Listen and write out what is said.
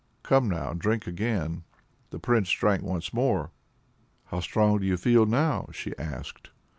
"Come now, drink again." The Prince drank once more. "How strong do you feel now?" she asked.